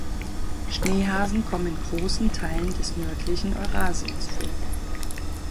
Schneehasen kommen in großen Teilen des nördlichen Eurasiens vor.